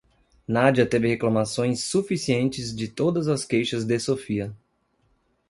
Nadia teve reclamações suficientes de todas as queixas de Sofia.